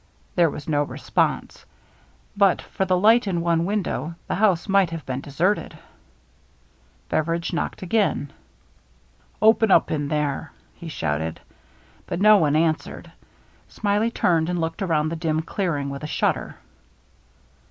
There was no response. But for the light in one window, the house might have been deserted. Bev eridge knocked again. " Open up in there !" he shouted. But no one answered. Smiley turned and looked around the dim clearing with a shudder.